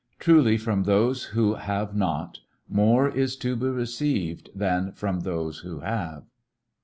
Truly from those who have not more is to be received than from those who have.